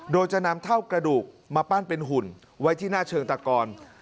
โดยจะนำเท่ากระดูกมาปั้นเป็นหุ่นไว้ที่หน้าเชิงตะกอน